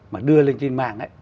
mà đưa lên trên mạng